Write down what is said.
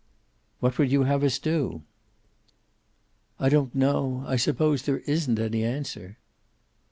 "What would you have us do?" "I don't know. I suppose there isn't any answer."